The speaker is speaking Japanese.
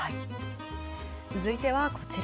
続いてはこちら。